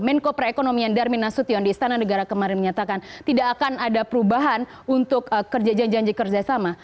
menko perekonomian darmina sutyon di istana negara kemarin menyatakan tidak akan ada perubahan untuk kerja janji kerja sama